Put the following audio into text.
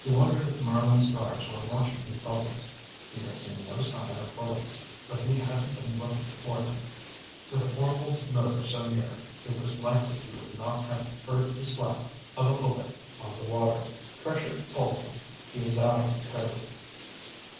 He wondered if Merlin's guards were watching his bubbles. He had seen no sign of bullets, but he hadn't been looking for them. With Orvil's motor so near, it was likely he would not have heard the slap of a bullet on the water. Pressure told him he was out of the cove.